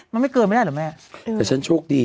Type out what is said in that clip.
มีคนออกแบบนี้